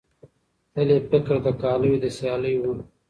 تل یې فکر د کالیو د سیالۍ وو